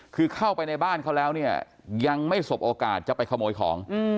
คือเข้าไปในบ้านเขาแล้วเนี่ยยังไม่สบโอกาสจะไปขโมยของ